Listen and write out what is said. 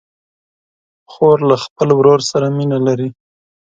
خور له خپل ورور سره مینه لري.